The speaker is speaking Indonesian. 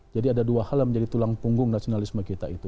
jadi ada dua hal yang menjadi tulang punggung nasionalisme kita itu